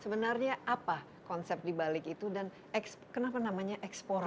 sebenarnya apa konsep dibalik itu dan kenapa namanya eksplora